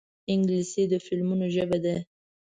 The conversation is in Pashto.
انګلیسي د فلمونو ژبه ده